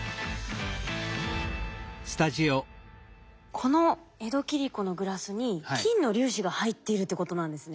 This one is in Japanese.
この江戸切子のグラスに金の粒子が入っているってことなんですね。